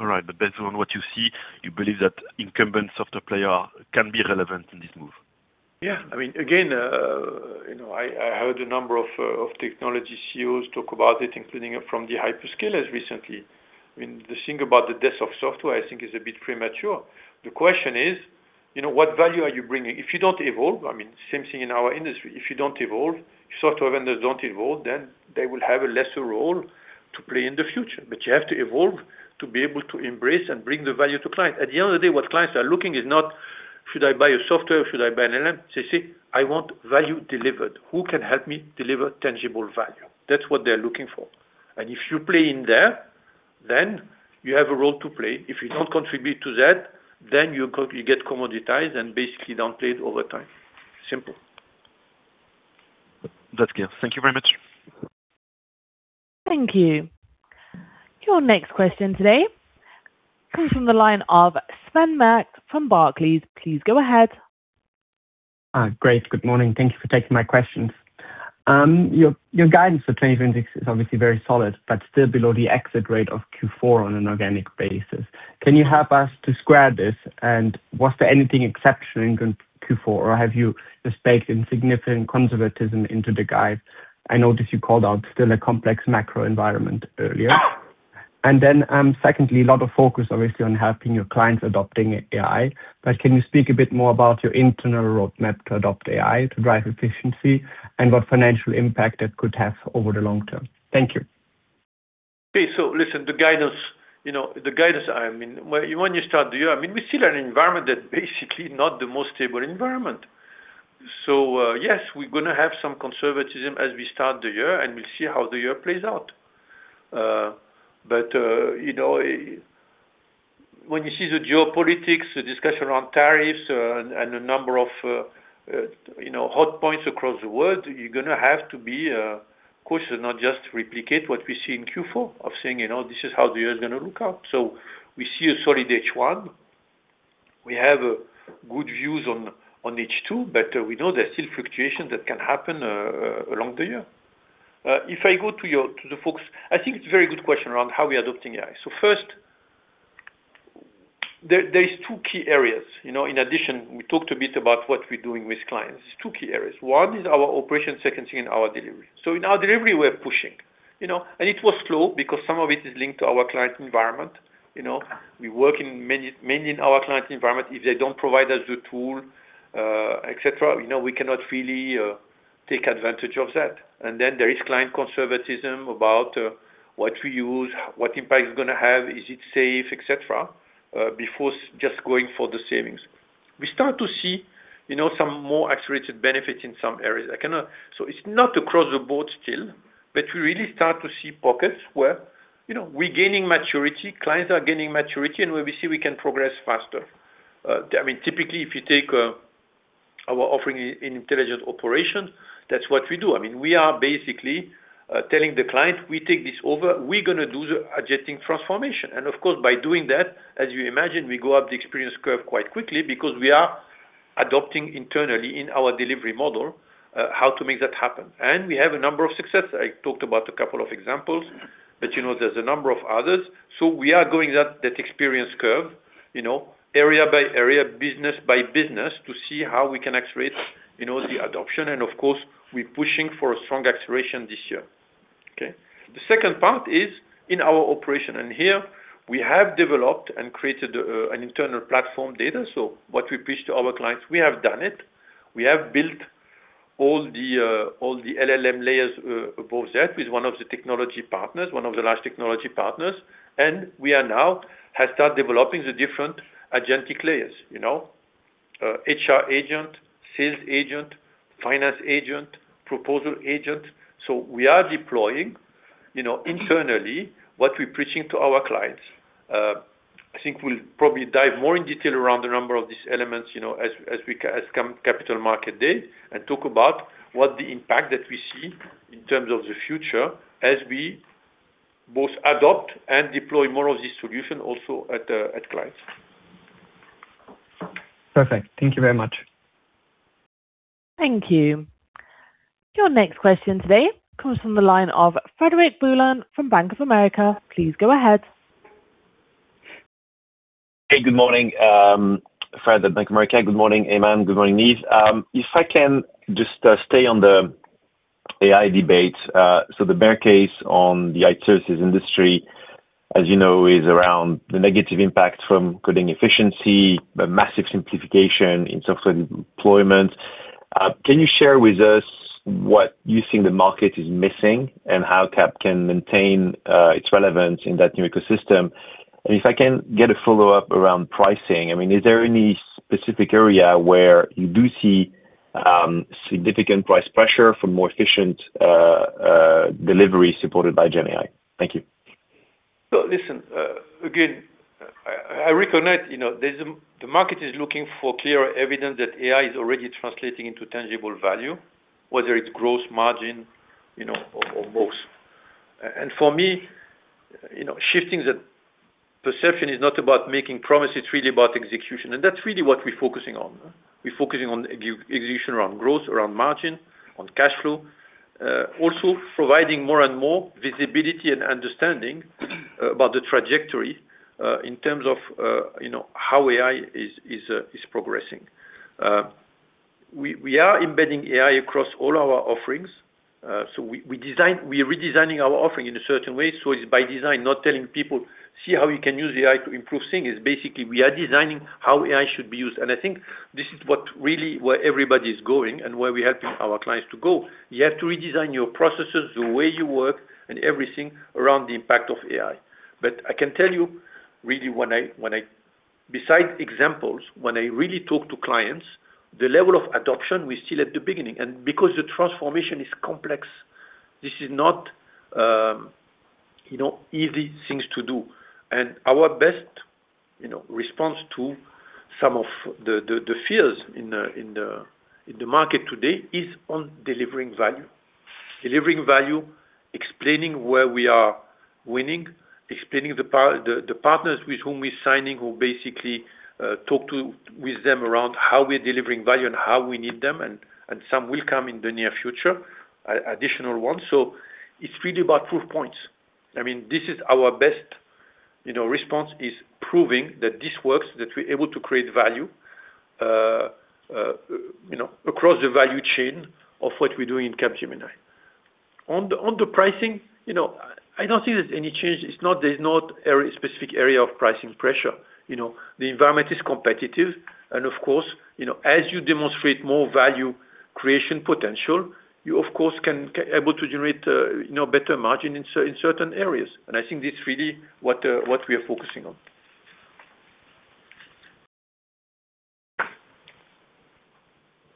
All right. Based on what you see, you believe that incumbent software player can be relevant in this move? Yeah. I mean, again, you know, I heard a number of technology CEOs talk about it, including from the hyperscalers recently. I mean, the thing about the death of software, I think, is a bit premature. The question is, you know, what value are you bringing? If you don't evolve, I mean, same thing in our industry. If you don't evolve, if software vendors don't evolve, then they will have a lesser role to play in the future. But you have to evolve to be able to embrace and bring the value to client. At the end of the day, what clients are looking is not, "Should I buy a software? Should I buy an LM?" They say, "I want value delivered. Who can help me deliver tangible value?" That's what they're looking for. And if you play in there-... Then you have a role to play. If you don't contribute to that, then you get commoditized and basically downplayed over time. Simple. That's clear. Thank you very much. Thank you. Your next question today comes from the line of Sven Merkt from Barclays. Please go ahead. Great. Good morning. Thank you for taking my questions. Your, your guidance for 2026 is obviously very solid, but still below the exit rate of Q4 on an organic basis. Can you help us to square this, and was there anything exceptional in Q4, or have you just baked insignificant conservatism into the guide? I noticed you called out still a complex macro environment earlier. And then, secondly, a lot of focus obviously on helping your clients adopting AI, but can you speak a bit more about your internal roadmap to adopt AI to drive efficiency, and what financial impact that could have over the long term? Thank you. Okay. So listen, the guidance, you know, the guidance, I mean, when you start the year, I mean, we're still in an environment that's basically not the most stable environment. So, yes, we're gonna have some conservatism as we start the year, and we'll see how the year plays out. But, you know, when you see the geopolitics, the discussion around tariffs, and the number of, you know, hot points across the world, you're gonna have to be cautious and not just replicate what we see in Q4, of saying, you know, this is how the year's gonna look out. So we see a solid H1. We have good views on H2, but we know there are still fluctuations that can happen along the year. If I go to the folks, I think it's a very good question around how we're adopting AI. So first, there is two key areas, you know, in addition, we talked a bit about what we're doing with clients. Two key areas: one is our operation, second thing, in our delivery. So in our delivery, we're pushing, you know, and it was slow because some of it is linked to our client environment, you know? We work in many, many in our client environment. If they don't provide us the tool, et cetera, you know, we cannot really take advantage of that. And then there is client conservatism about what we use, what impact it's gonna have, is it safe, et cetera, before just going for the savings. We start to see, you know, some more accelerated benefits in some areas. So it's not across the board still, but we really start to see pockets where, you know, we're gaining maturity, clients are gaining maturity, and where we see we can progress faster. I mean, typically, if you take our offering in Intelligent Operations, that's what we do. I mean, we are basically telling the client: we take this over, we're gonna do the agentic transformation. And of course, by doing that, as you imagine, we go up the experience curve quite quickly because we are adopting internally in our delivery model how to make that happen. And we have a number of success. I talked about a couple of examples, but you know, there's a number of others. So we are going up that experience curve, you know, area by area, business by business, to see how we can accelerate, you know, the adoption. And of course, we're pushing for a strong acceleration this year. Okay? The second part is in our operation, and here we have developed and created, an internal platform data. So what we pitch to our clients, we have done it. We have built all the, all the LLM layers, above that with one of the technology partners, one of the large technology partners, and we are now have start developing the different agentic layers, you know, HR agent, sales agent, finance agent, proposal agent. So we are deploying, you know, internally, what we're preaching to our clients. I think we'll probably dive more in detail around the number of these elements, you know, as we come to Capital Markets Day, and talk about what the impact that we see in terms of the future as we both adopt and deploy more of this solution also at clients. Perfect. Thank you very much. Thank you. Your next question today comes from the line of Frederic Boulan from Bank of America. Please go ahead. Hey, good morning. Fred, at Bank of America. Good morning, Aiman, good morning, Nive. If I can just stay on the AI debate. So the bear case on the IT services industry, as you know, is around the negative impact from coding efficiency, the massive simplification in software deployment. Can you share with us what you think the market is missing, and how Cap can maintain its relevance in that new ecosystem? And if I can get a follow-up around pricing, I mean, is there any specific area where you do see significant price pressure for more efficient delivery supported by GenAI? Thank you. So, listen, again, I recognize, you know, there's the market is looking for clearer evidence that AI is already translating into tangible value, whether it's gross margin, you know, or both. And for me, you know, shifting the perception is not about making promises, it's really about execution, and that's really what we're focusing on. We're focusing on execution around growth, around margin, on cash flow, also providing more and more visibility and understanding about the trajectory, in terms of, you know, how AI is progressing. We are embedding AI across all our offerings, so we're redesigning our offering in a certain way, so it's by design, not telling people: See how you can use AI to improve things. It's basically, we are designing how AI should be used, and I think this is what really where everybody is going and where we're helping our clients to go. You have to redesign your processes, the way you work, and everything around the impact of AI. But I can tell you really, besides examples, when I really talk to clients, the level of adoption, we're still at the beginning. And because the transformation is complex, this is not, you know, easy things to do. And our best, you know, response to some of the fears in the market today is on delivering value. Delivering value, explaining where we are winning, explaining the partners with whom we're signing, who basically talk to with them around how we're delivering value and how we need them, and some will come in the near future, additional ones. So it's really about proof points. I mean, this is our best, you know, response, is proving that this works, that we're able to create value, you know, across the value chain of what we're doing in Capgemini. On the pricing, you know, I don't see there's any change. It's not, there's not a specific area of pricing pressure, you know. The environment is competitive, and of course, you know, as you demonstrate more value creation potential, you of course can be able to generate, you know, better margin in certain areas. I think this is really what we are focusing on.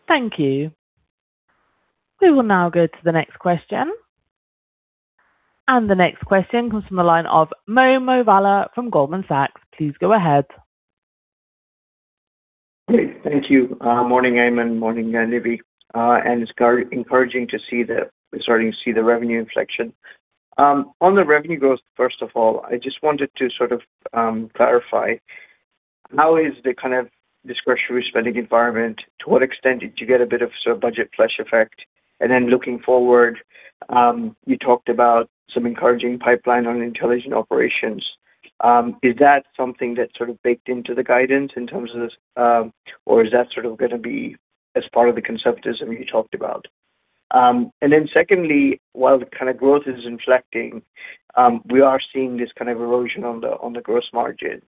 Thank you. We will now go to the next question. The next question comes from the line of Mohammed Moawalla from Goldman Sachs. Please go ahead. Hey, thank you. Morning, Aiman, morning, Nive. And it's certainly encouraging to see that we're starting to see the revenue inflection. On the revenue growth, first of all, I just wanted to sort of clarify, how is the kind of discretionary spending environment, to what extent did you get a bit of sort of budget flush effect? And then looking forward, you talked about some encouraging pipeline on Intelligent Operations. Is that something that's sort of baked into the guidance in terms of this, or is that sort of gonna be as part of the conservatism you talked about? And then secondly, while the kind of growth is inflecting, we are seeing this kind of erosion on the gross margin.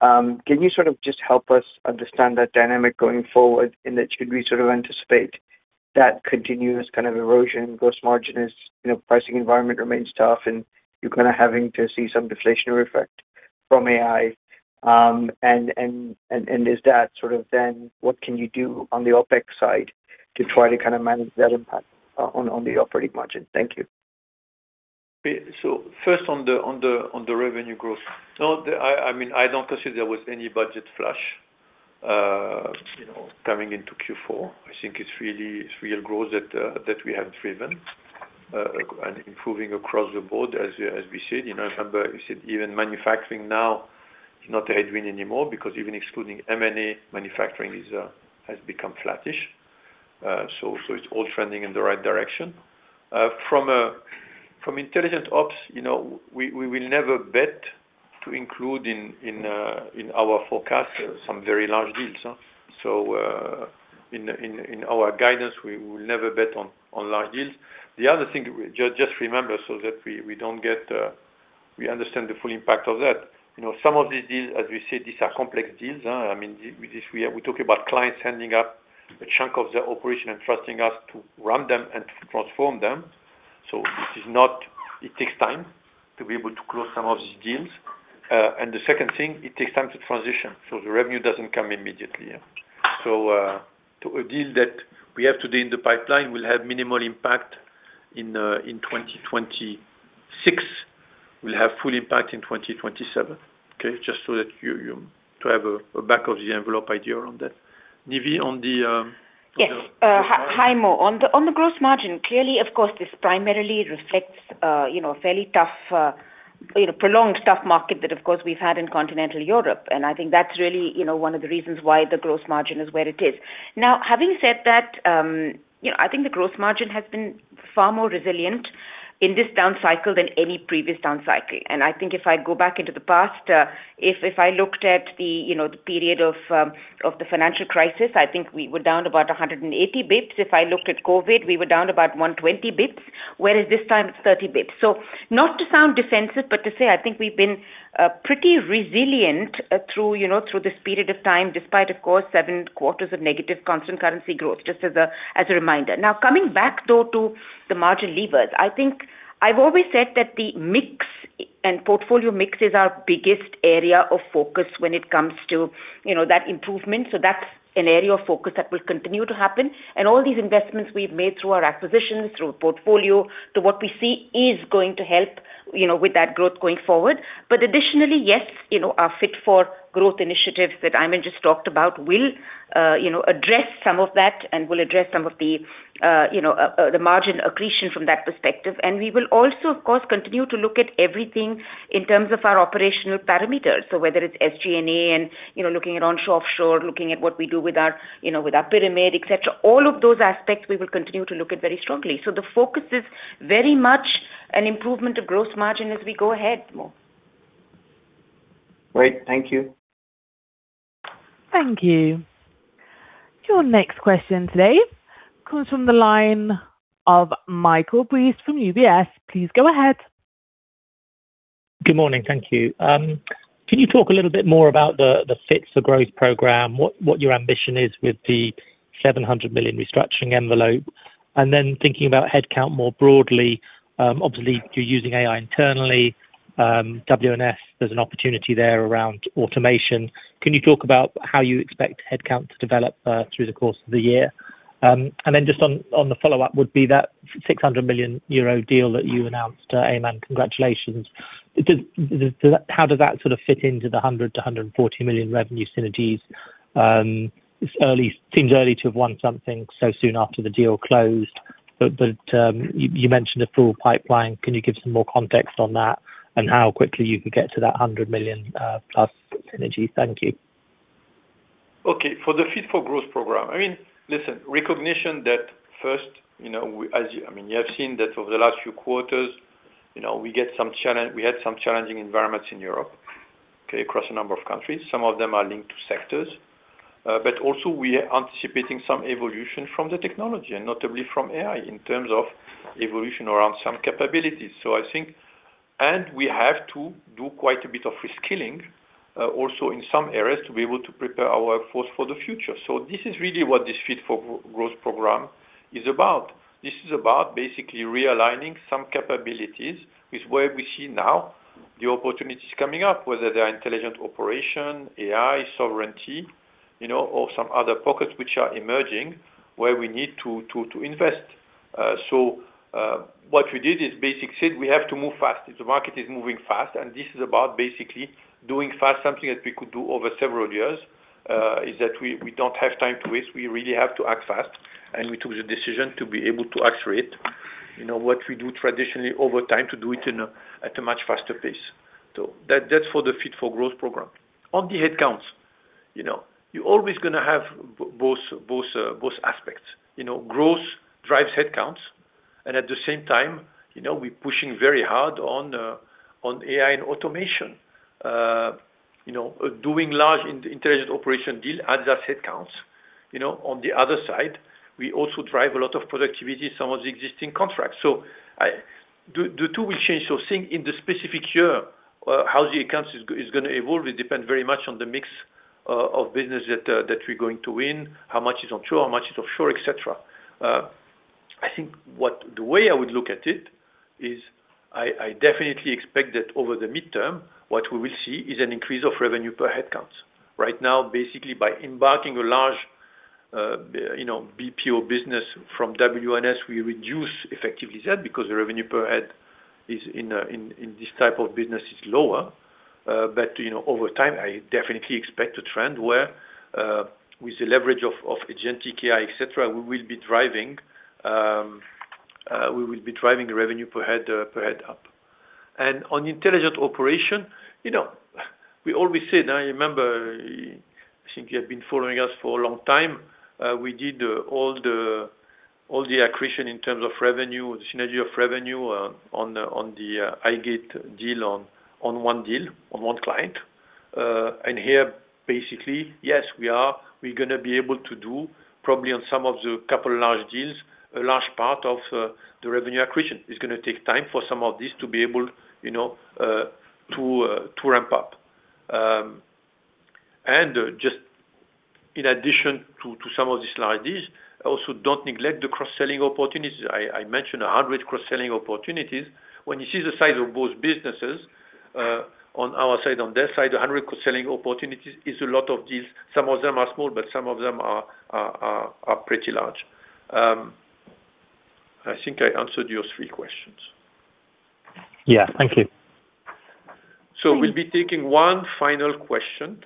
Can you sort of just help us understand that dynamic going forward, and then should we sort of anticipate that continuous kind of erosion, gross margin is, you know, pricing environment remains tough, and you're kind of having to see some deflationary effect from AI? Is that sort of then, what can you do on the OpEx side to try to kind of manage that impact on the operating margin? Thank you. So first on the revenue growth. No, I mean, I don't consider there was any budget flush, you know, coming into Q4. I think it's really, it's real growth that that we have driven, and improving across the board, as we said. You know, remember, we said even Manufacturing now is not a headwind anymore, because even excluding M&A, Manufacturing has become flattish. So it's all trending in the right direction. From Intelligent Ops, you know, we will never bet to include in our forecast some very large deals, huh? So in our guidance, we will never bet on large deals. The other thing, just remember, so that we don't get, we understand the full impact of that. You know, some of these deals, as we said, these are complex deals, huh? I mean, this, we are, we talk about clients handing up a chunk of their operation and trusting us to run them and to transform them. So this is not. It takes time to be able to close some of these deals. And the second thing, it takes time to transition, so the revenue doesn't come immediately, yeah. So, to a deal that we have today in the pipeline will have minimal impact in 2026. We'll have full impact in 2027. Okay, just so that you to have a back of the envelope idea around that. Nive, on the, on the- Yes, hi, Mo. On the gross margin, clearly, of course, this primarily reflects, you know, a fairly tough, you know, prolonged tough market that of course we've had in Continental Europe. And I think that's really, you know, one of the reasons why the gross margin is where it is. Now, having said that, you know, I think the gross margin has been far more resilient in this down cycle than any previous down cycle. And I think if I go back into the past, if I looked at the, you know, the period of the financial crisis, I think we were down about 180 basis points. If I looked at COVID, we were down about 120 basis points, whereas this time it's 30 basis points. So not to sound defensive, but to say, I think we've been pretty resilient through, you know, through this period of time, despite, of course, seven quarters of negative constant currency growth, just as a reminder. Now, coming back, though, to the margin levers, I think I've always said that the mix and portfolio mix is our biggest area of focus when it comes to, you know, that improvement. So that's an area of focus that will continue to happen. And all these investments we've made through our acquisitions, through portfolio, to what we see is going to help, you know, with that growth going forward. But additionally, yes, you know, our Fit for Growth initiative that Aiman just talked about will, you know, address some of that and will address some of the, the margin accretion from that perspective. We will also, of course, continue to look at everything in terms of our operational parameters. So whether it's SG&A and, you know, looking at onshore, offshore, looking at what we do with our, you know, with our pyramid, et cetera, all of those aspects we will continue to look at very strongly. So the focus is very much an improvement of gross margin as we go ahead, Mo. Great. Thank you. Thank you. Your next question today comes from the line of Michael Briest from UBS. Please go ahead. Good morning. Thank you. Can you talk a little bit more about the Fit for Growth program, what your ambition is with the 700 million restructuring envelope?... And then thinking about headcount more broadly, obviously you're using AI internally, WNS, there's an opportunity there around automation. Can you talk about how you expect headcount to develop through the course of the year? And then just on the follow-up would be that 600 million euro deal that you announced, Aiman, congratulations. Does that, how does that sort of fit into the 100 million-140 million revenue synergies, it's early, seems early to have won something so soon after the deal closed, but you mentioned a full pipeline. Can you give some more context on that and how quickly you can get to that 100 million plus synergy? Thank you. Okay. For the Fit for Growth program, I mean, listen, recognition that first, you know, we, as you, I mean, you have seen that over the last few quarters, you know, we get some challenge—we had some challenging environments in Europe, okay, across a number of countries. Some of them are linked to sectors, but also we are anticipating some evolution from the technology, and notably from AI, in terms of evolution around some capabilities. So I think... And we have to do quite a bit of reskilling, also in some areas to be able to prepare our workforce for the future. So this is really what this Fit for Growth program is about. This is about basically realigning some capabilities with where we see now the opportunities coming up, whether they are Intelligent Operations, AI, Sovereignty, you know, or some other pockets which are emerging, where we need to invest. So, what we did is basically said, "We have to move fast." The market is moving fast, and this is about basically doing fast, something that we could do over several years, is that we don't have time to waste. We really have to act fast, and we took the decision to be able to accelerate, you know, what we do traditionally over time, to do it in a, at a much faster pace. So that's for the Fit for Growth program. On the headcounts, you know, you're always gonna have both aspects. You know, growth drives headcounts, and at the same time, you know, we're pushing very hard on AI and automation. You know, doing large Intelligent Operations deal adds our headcounts. You know, on the other side, we also drive a lot of productivity, some of the existing contracts. The two will change. So seeing in the specific year how the headcount is gonna evolve, it depend very much on the mix of business that we're going to win, how much is onshore, how much is offshore, et cetera. I think the way I would look at it is, I definitely expect that over the midterm, what we will see is an increase of revenue per headcounts. Right now, basically, by embarking a large, you know, BPO business from WNS, we reduce effectively that, because the revenue per head is in this type of business is lower. But, you know, over time, I definitely expect a trend where, with the leverage of agentic AI, et cetera, we will be driving the revenue per head per head up. And on Intelligent Operations, you know, we always said, I remember, I think you have been following us for a long time, we did all the accretion in terms of revenue, the synergy of revenue, on the IGATE deal on one deal, on one client. And here, basically, yes, we are, we're gonna be able to do, probably on some of the couple large deals, a large part of the revenue accretion. It's gonna take time for some of this to be able, you know, to, to ramp up. And just in addition to some of the slides, I also don't neglect the cross-selling opportunities. I mentioned 100 cross-selling opportunities. When you see the size of both businesses, on our side, on their side, 100 cross-selling opportunities is a lot of deals. Some of them are small, but some of them are pretty large. I think I answered your three questions. Yeah. Thank you. We'll be taking one final question,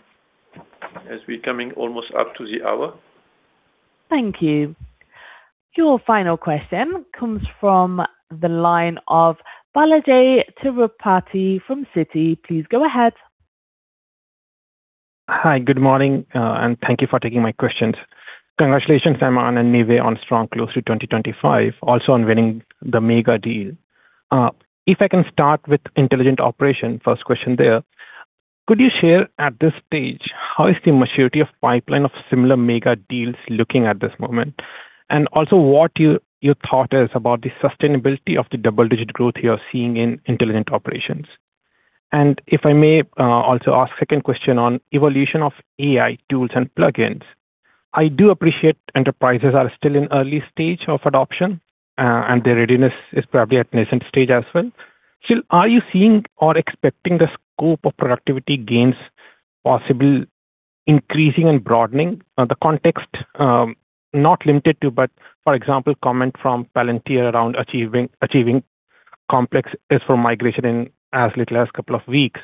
as we're coming almost up to the hour. Thank you. Your final question comes from the line of Balajee Tirupati from Citi. Please go ahead. Hi, good morning, and thank you for taking my questions. Congratulations, Aiman and Nive, on strong close to 2025, also on winning the mega deal. If I can start with Intelligent Operations, first question there. Could you share, at this stage, how is the maturity of pipeline of similar mega deals looking at this moment? And also, what your, your thought is about the sustainability of the double-digit growth you're seeing in Intelligent Operations? And if I may, also ask second question on evolution of AI tools and plugins. I do appreciate enterprises are still in early stage of adoption, and their readiness is probably at nascent stage as well. Still, are you seeing or expecting the scope of productivity gains possible increasing and broadening? The context, not limited to, but for example, comment from Palantir around achieving complex tasks for migration in as little as couple of weeks.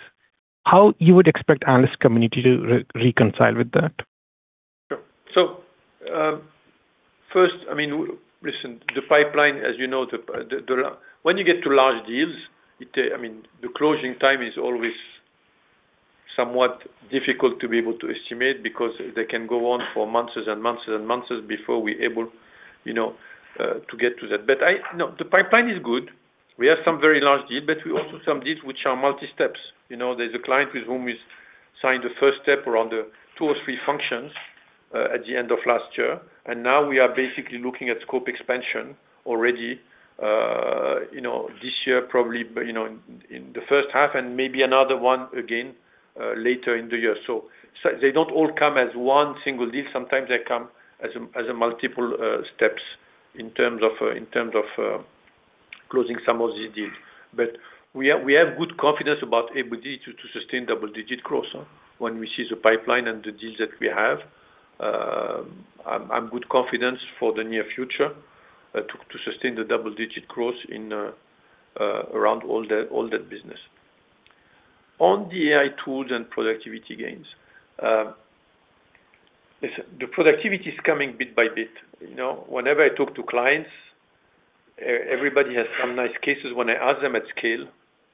How you would expect analyst community to reconcile with that? So, first, I mean, listen, the pipeline, as you know, when you get to large deals, I mean, the closing time is always somewhat difficult to be able to estimate, because they can go on for months and months and months before we're able, you know, to get to that. But, no, the pipeline is good. We have some very large deal, but we also some deals which are multi-steps. You know, there's a client with whom we signed the first step around the two or three functions, at the end of last year, and now we are basically looking at scope expansion already, you know, this year, probably, you know, in the first half, and maybe another one again... later in the year. So, they don't all come as one single deal. Sometimes they come as a multiple steps in terms of closing some of the deals. But we have good confidence about ability to sustain double-digit growth when we see the pipeline and the deals that we have. I'm good confidence for the near future to sustain the double-digit growth in around all that business. On the AI tools and productivity gains. Yes, the productivity is coming bit by bit, you know? Whenever I talk to clients, everybody has some nice cases. When I ask them at scale,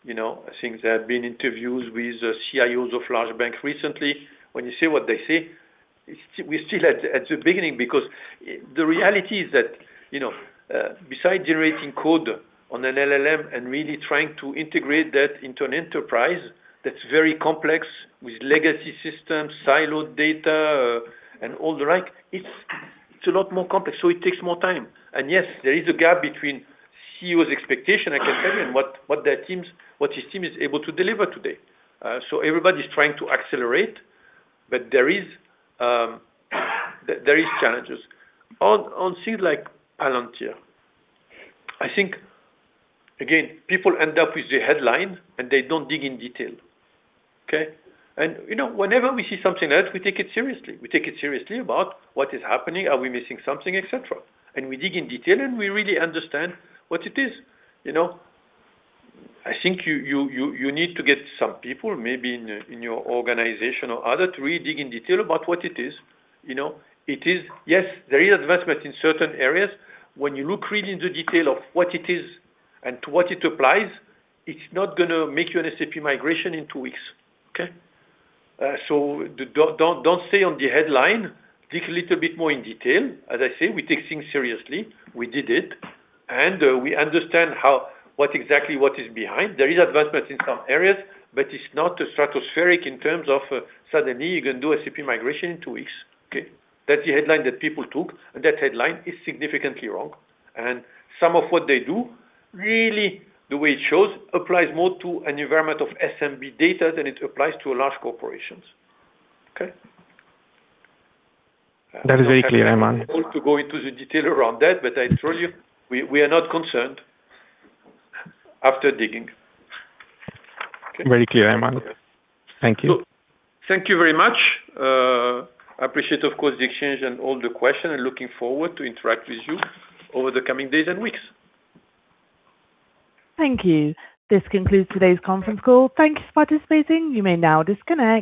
you know, I think there have been interviews with CIOs of large banks recently. When you see what they say, it's, we're still at, at the beginning, because the reality is that, you know, besides generating code on an LLM and really trying to integrate that into an enterprise that's very complex, with legacy systems, siloed data, and all the like, it's, it's a lot more complex, so it takes more time. And yes, there is a gap between CEO's expectation, I can tell you, and what, what their teams, what his team is able to deliver today. So everybody's trying to accelerate, but there is, there is challenges. On, on things like Palantir, I think, again, people end up with the headline, and they don't dig in detail. Okay? And, you know, whenever we see something else, we take it seriously. We take it seriously about what is happening, are we missing something, et cetera. And we dig in detail, and we really understand what it is, you know? I think you need to get some people, maybe in your organization or other, to really dig in detail about what it is, you know. It is. Yes, there is advancement in certain areas. When you look really into detail of what it is and to what it applies, it's not gonna make you an SAP migration in two weeks, okay? So, don't stay on the headline. Dig a little bit more in detail. As I say, we take things seriously. We did it, and we understand what exactly is behind. There is advancements in some areas, but it's not stratospheric in terms of suddenly you can do SAP migration in two weeks, okay? That's the headline that people took, and that headline is significantly wrong. Some of what they do, really, the way it shows, applies more to an environment of SMB data than it applies to large corporations. Okay? That is very clear, Aiman. To go into the detail around that, but I assure you, we are not concerned after digging. Okay. Very clear, Aiman. Thank you. Thank you very much. I appreciate, of course, the exchange and all the questions, and looking forward to interact with you over the coming days and weeks. Thank you. This concludes today's conference call. Thank you for participating. You may now disconnect.